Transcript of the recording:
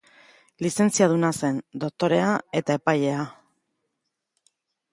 Lizentziaduna zen, doktorea eta epailea.